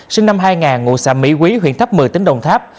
sinh năm hai nghìn ngụ xạ mỹ quý huyện tháp mười tính đồng tháp